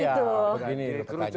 iya begini pertanyaannya